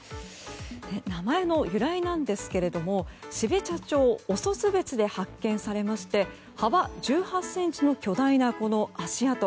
名前の由来なんですけれども標茶町オソツベツで発見されまして幅１８ｃｍの巨大な足跡